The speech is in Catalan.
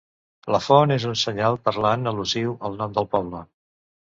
La font és un senyal parlant al·lusiu al nom del poble.